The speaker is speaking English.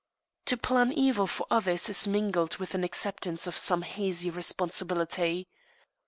To plan evil for others is mingled with an acceptance of some hazy responsibility.